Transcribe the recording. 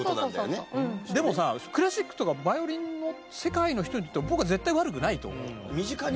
でもさクラシックとかヴァイオリンの世界の人にとって僕は絶対悪くないと思うの。